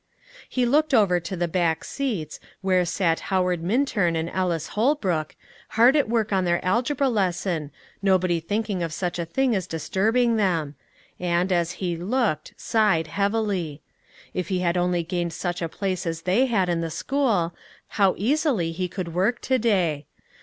He looked over to the back seats, where sat Howard Minturn and Ellis Holbrook, hard at work on their algebra lesson, nobody thinking of such a thing as disturbing them; and, as he looked, sighed heavily. If he had only gained such a place as they had in the school, how easily he could work to day.